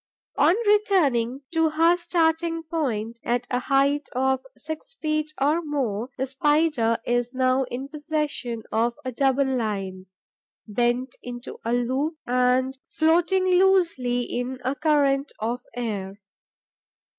On returning to her starting point, at a height of six feet or more, the Spider is now in possession of a double line, bent into a loop and floating loosely in a current of air.